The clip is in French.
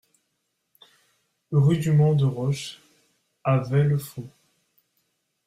Rue du Mont de Roche à Vellefaux